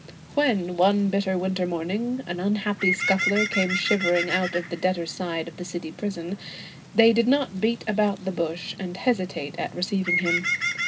When, one bitter winter morning, an unhappy Scuffler came shivering out of the debtors' side of the City Prison, they did not beat about the bush and hesitate at receiving him.